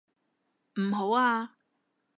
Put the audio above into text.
唔好啊！